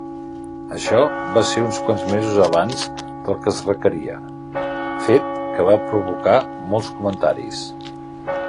Això va ser uns quants mesos abans del que es requeria, fet que va provocar molts comentaris.